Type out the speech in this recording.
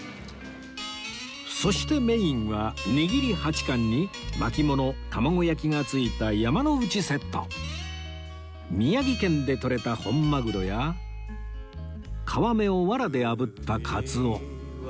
そしてメインは握り８貫に巻き物玉子焼きがついた山ノ内セット宮城県でとれた本マグロや皮目をわらであぶったカツオ